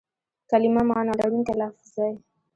کلیمه مانا لرونکی لفظ دئ.